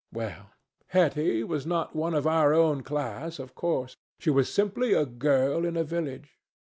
Well, Hetty was not one of our own class, of course. She was simply a girl in a village.